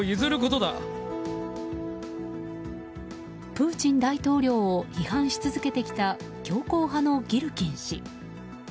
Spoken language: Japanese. プーチン大統領を批判し続けてきた強硬派のギルキン氏。